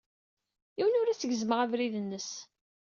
Yiwen ur as-gezzmeɣ abrid-nnes.